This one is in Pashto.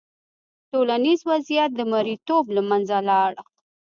ټولنیز وضعیت د مریتوب له منځه لاړ.